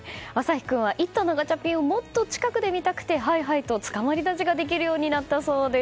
陽君は「イット！」のガチャピンをもっと近くて見たくてハイハイとつかまり立ちができるそうになったそうです。